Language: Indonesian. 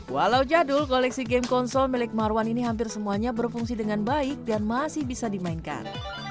walau jadul koleksi game konsol milik marwan ini hampir semuanya berfungsi dengan baik dan masih bisa dimainkan